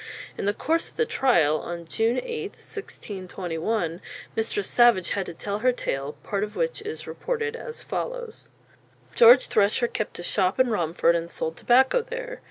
In the course of the trial, on June 8, 1621, Mistress Savage had to tell her tale, part of which is reported as follows: "George Thresher kept a shoppe in Romford and sold tobacco there.